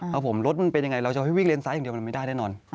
ครับผมรถมันเป็นยังไงเราจะให้วิ่งเลนซ้ายอย่างเดียวมันไม่ได้แน่นอน